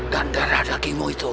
dan darah dagingmu itu